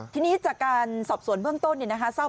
ทีนี้จากการสอบส่วนเบื้องต้นเนี่ยศาสตร์ว่า